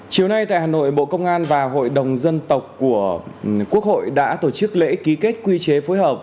chiều nay tại hà nội bộ công an và hội đồng dân tộc của quốc hội đã tổ chức lễ ký kết quy chế phối hợp